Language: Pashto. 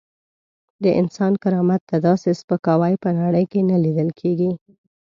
د انسان کرامت ته داسې سپکاوی په نړۍ کې نه لیدل کېږي.